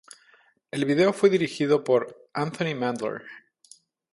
El video fue dirigido por Anthony Mandler.